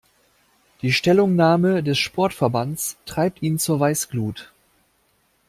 Die Stellungnahme des Sportverbands treibt ihn zur Weißglut.